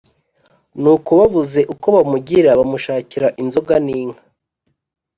Nuko babuze uko bamugira bamushakira inzoga n' inka